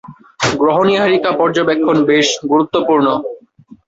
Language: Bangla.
গ্রহ নীহারিকা পর্যবেক্ষণ বেশ গুরুত্বপূর্ণ।